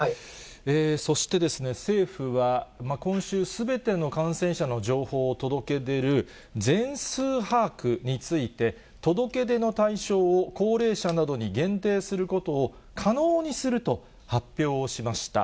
そして、政府は今週すべての感染者の情報を届け出る、全数把握について、届け出の対象を高齢者などに限定することを可能にすると発表をしました。